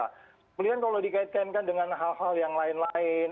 kemudian kalau dikaitkan dengan hal hal yang lain lain